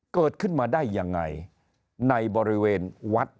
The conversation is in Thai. เกิดขึ้นมาได้ยังไงในบริเวณวัด